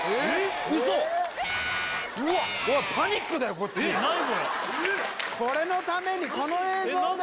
これこれのためにこの映像で！？